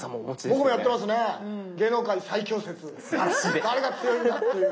誰が強いのかっていう。